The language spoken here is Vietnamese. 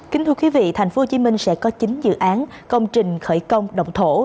kính thưa quý vị tp hcm sẽ có chín dự án công trình khởi công động thổ